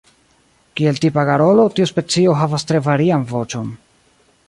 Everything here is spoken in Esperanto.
Kiel tipa garolo, tiu specio havas tre varian voĉon.